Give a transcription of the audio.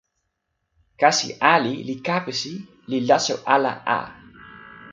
kasi ali li kapesi li laso ala a!